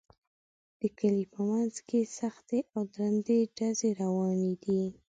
د کلي په منځ کې سختې او درندې ډزې روانې دي